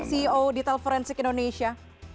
ceo detail forensik indonesia